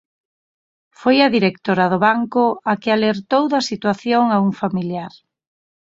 Foi a directora do banco a que alertou da situación a un familiar.